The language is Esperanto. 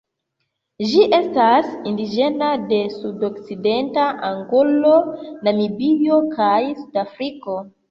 Ĝi estas indiĝena de sudokcidenta Angolo, Namibio kaj Sudafriko.